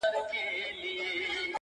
د دروازې په ځینځیر ځان مشغولوینه!.